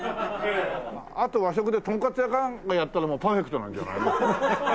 あと和食でとんかつ屋かなんかやったらパーフェクトなんじゃないの？